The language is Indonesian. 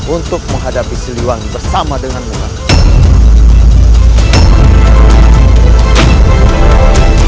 untuk menghadapi siliwangi bersama denganmu kakak